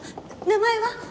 名前は？